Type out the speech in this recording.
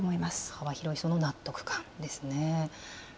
幅広い層の納得感ですね。